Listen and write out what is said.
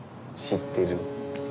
知ってる。